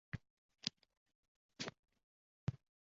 Onang bo`laman